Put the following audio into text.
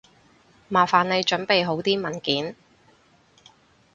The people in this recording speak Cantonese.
麻煩你準備好啲文件